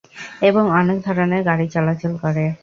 এবং অনেক ধরনের গাড়ি চলাচল করে।